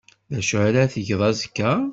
D acu ara tgeḍ azekka?